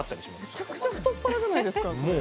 めちゃくちゃ太っ腹じゃないですかそれ。